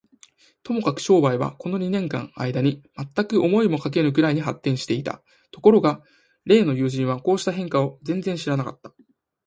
ともかく商売は、この二年間のあいだに、まったく思いもかけぬくらいに発展していた。ところが例の友人は、こうした変化を全然知らなかった。